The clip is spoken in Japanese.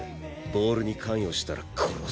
ボールに関与したら殺す。